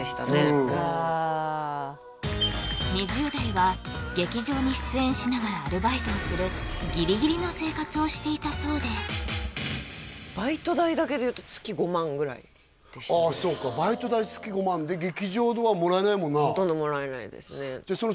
うんそっか２０代は劇場に出演しながらアルバイトをするギリギリの生活をしていたそうでああそうかバイト代月５万で劇場のはもらえないもんなほとんどもらえないですね